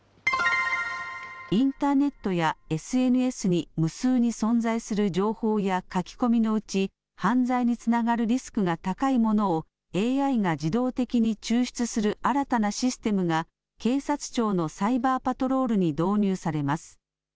インターネットやＳＮＳに無数に存在する情報や書き込みのうち、犯罪につながるリスクが高いものを、ＡＩが自動的に抽出する新たなシステムが、警察庁のサイバーパトロールに導入されます。